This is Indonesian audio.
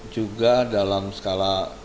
juga dalam skala